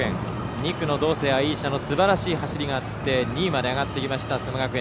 ２区の道清愛紗のすばらしい走りがあって２位まで上がってきた須磨学園。